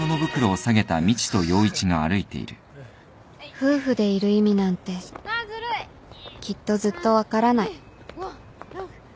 夫婦でいる意味なんてきっとずっと分からない